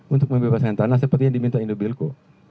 untuk membebaskan tanah sepertinya diminta indobilco